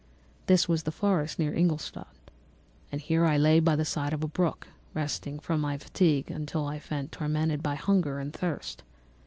This was the forest near Ingolstadt; and here I lay by the side of a brook resting from my fatigue, until I felt tormented by hunger and thirst.